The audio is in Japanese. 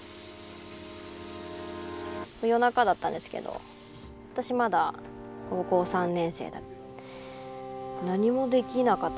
夜中だったんですけど私まだ高校３年生で何もできなかったです。